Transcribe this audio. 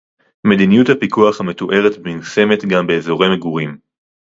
מדיניות הפיקוח המתוארת מיושמת גם באזורי מגורים